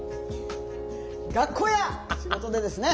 学校や仕事でですね